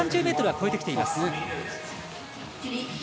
１３０ｍは越えてきています。